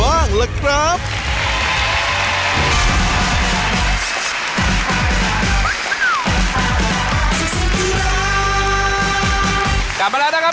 ในช่วงนี้ก็ถึงเวลากับศึกแห่งศักดิ์ศรีของฝ่ายชายกันบ้างล่ะครับ